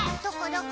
どこ？